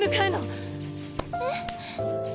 えっ？